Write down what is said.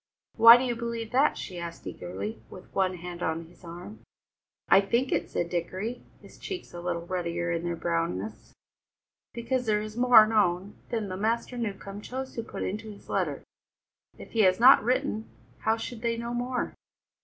"Why do you believe that?" she asked eagerly, with one hand on his arm. "I think it," said Dickory, his cheeks a little ruddier in their brownness, "because there is more known there than Master Newcombe chose to put into his letter. If he has not written, how should they know more?"